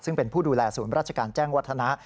ซึ่งเป็นผู้ดูแลศูนย์ราชการแจ้งวัฒนะ